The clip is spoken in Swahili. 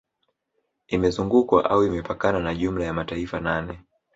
Imezungukwa au imepakana na jumla ya mataifa nane